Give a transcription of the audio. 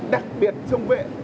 đặc biệt sông vệ